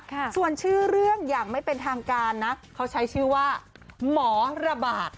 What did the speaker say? ค่ะส่วนชื่อเรื่องอย่างไม่เป็นทางการนะเขาใช้ชื่อว่าหมอระบาด